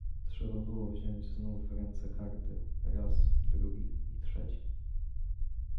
"Trzeba było wziąć znów w ręce karty, raz, drugi i trzeci."